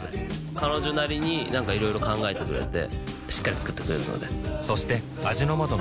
彼女なりになんかいろいろ考えてくれてしっかり作ってくれるのでそして味の素の栄養プログラム